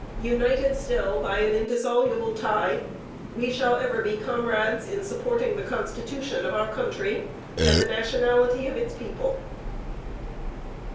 United still by an indissoluble tie, we shall ever be comrades in supporting the Constitution of our country and the nationality of its people."